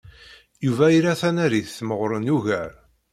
Yuba ira tanarit meɣɣren ugar.